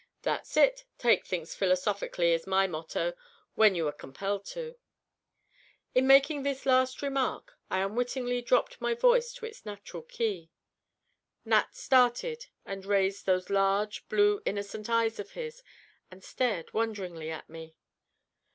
"That's it. Take things philosophically is my motto, when you are compelled to." In making this last remark, I unwittingly dropped my voice to its natural key. Nat started and raised those large, blue innocent eyes of his, and stared wonderingly at me.